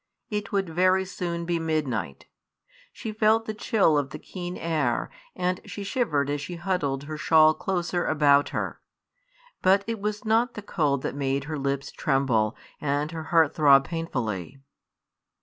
It would very soon be midnight. She felt the chill of the keen air, and she shivered as she huddled her shawl closer about her; but it was not the cold that made her lips tremble and her heart throb painfully.